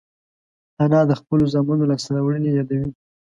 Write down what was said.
انا د خپلو زامنو لاسته راوړنې یادوي